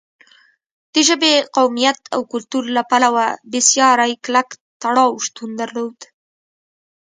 د ژبې، قومیت او کلتور له پلوه بېساری کلک تړاو شتون درلود.